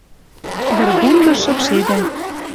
Вӹргундыш шыпшедӓ